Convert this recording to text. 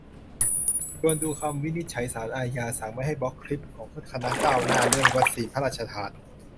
ชวนดูคำวินิจฉัยศาลอาญา สั่งไม่ให้บล็อกคลิปของคณะก้าวหน้าเรื่องวัคซีนพระราชทาน